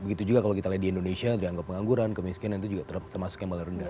begitu juga kalau kita lihat di indonesia dianggap pengangguran kemiskinan itu juga termasuk yang paling rendah